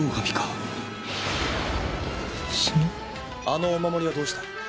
あのお守りはどうした？